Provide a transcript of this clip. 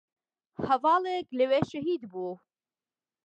هەڤاڵێک لەوێ شەهید بوو